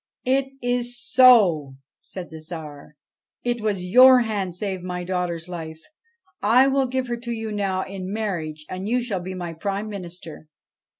'It is so !' said the Tsar. ' It was your hand saved my daughter's life. I will give her to you in marriage, and you shall be my Prime Minister.'